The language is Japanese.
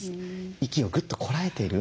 息をぐっとこらえている。